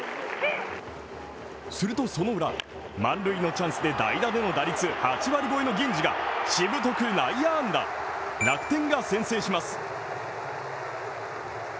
すると、そのウラ、満塁のチャンスで代打での打率８割超えの銀次がしぶとく内野安打、楽天が先制します。